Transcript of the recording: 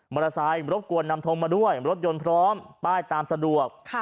ไซค์รบกวนนำทงมาด้วยรถยนต์พร้อมป้ายตามสะดวก